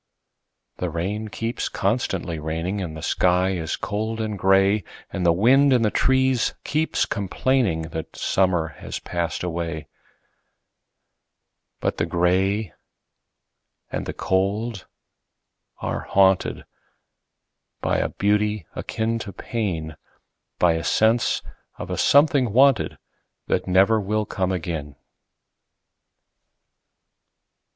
The rain keeps constantly raining, And the sky is cold and gray, And the wind in the trees keeps complainingThat summer has passed away;—But the gray and the cold are hauntedBy a beauty akin to pain,—By a sense of a something wanted, That never will come again.